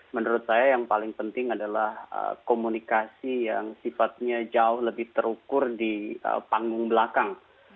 menurut saya yang paling penting adalah komunikasi yang sifatnya jauh lebih terukur di panggung belakang